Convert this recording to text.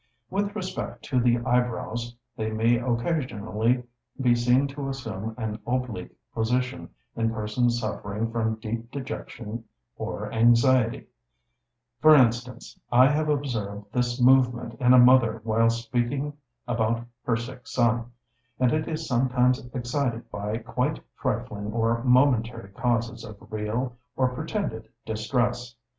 With respect to the eyebrows, they may occasionally be seen to assume an oblique position in persons suffering from deep dejection or anxiety; for instance, I have observed this movement in a mother whilst speaking about her sick son; and it is sometimes excited by quite trifling or momentary causes of real or pretended distress.